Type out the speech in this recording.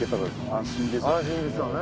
安心ですよね。